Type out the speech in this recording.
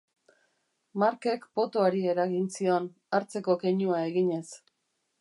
Marckek potoari eragin zion, hartzeko keinua eginez.